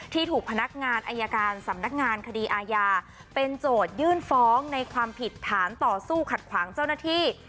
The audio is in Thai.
ถูกพนักงานอายการสำนักงานคดีอาญาเป็นโจทยื่นฟ้องในความผิดฐานต่อสู้ขัดขวางเจ้าหน้าที่